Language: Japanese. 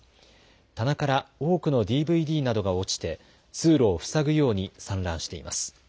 棚から多くのＤＶＤなどが落ちて通路を塞ぐように散乱しています。